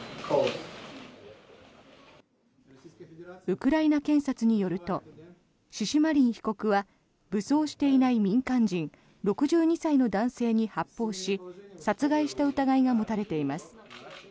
ウクライナ検察によるとシシマリン被告は武装していない民間人６２歳の男性に発砲し殺害した疑いが持たれています。